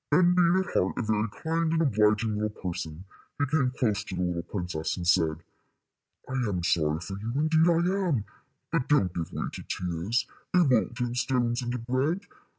Then, being at heart a very kind and obliging little person, he came close to the princess, and said: "I am sorry for you indeed I am, but don't give way to tears. They won't turn stones into bread.